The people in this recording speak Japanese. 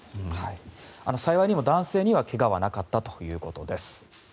幸いにも男性には怪我はなかったということです。